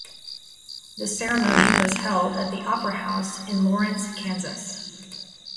The ceremony was held at the Opera House in Lawrence, Kansas.